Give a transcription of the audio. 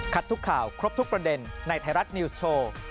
ทุกข่าวครบทุกประเด็นในไทยรัฐนิวส์โชว์